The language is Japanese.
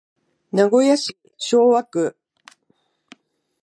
名古屋市昭和区